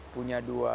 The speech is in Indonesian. saya punya dua anak